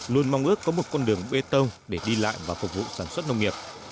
luôn mong ước có một con đường bê tông để đi lại và phục vụ sản xuất nông nghiệp